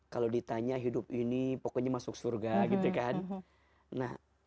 kalau ditanya hidup ini pokoknya masuk surga gitu kan